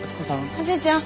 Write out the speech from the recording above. おじいちゃん。